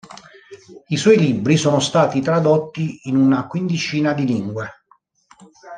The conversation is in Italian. I suoi libri sono stati tradotti in una quindicina di lingue.